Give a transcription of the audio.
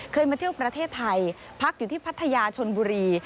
มาเที่ยวประเทศไทยพักอยู่ที่พัทยาชนบุรี